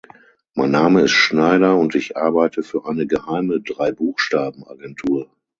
Mein Name ist Schneider und ich arbeite für eine geheime Dreibuchstaben-Agentur.